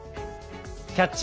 「キャッチ！